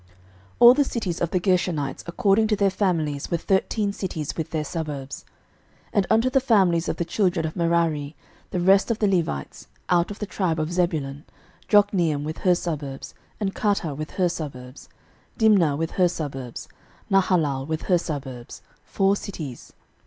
06:021:033 All the cities of the Gershonites according to their families were thirteen cities with their suburbs. 06:021:034 And unto the families of the children of Merari, the rest of the Levites, out of the tribe of Zebulun, Jokneam with her suburbs, and Kartah with her suburbs, 06:021:035 Dimnah with her suburbs, Nahalal with her suburbs; four cities.